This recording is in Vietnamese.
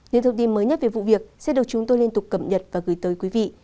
những thông tin mới nhất về vụ việc sẽ được chúng tôi liên tục cập nhật và gửi tới quý vị